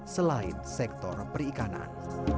selain sektor perikanan